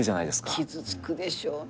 傷つくでしょうね。